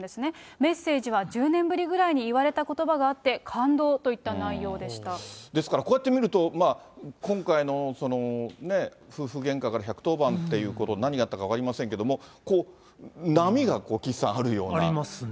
メッセージは１０年ぶりぐらいに言われたことばがあって、感動とですから、こうやって見ると、夫婦げんかから１１０番っていうこと、何があったか分かりませんけども、波がこう、岸さん、ありますね。